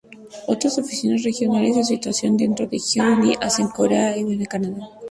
Otras oficinas regionales se sitúan adentro Gyeonggi-hacen, Corea y Vancouver, Canadá.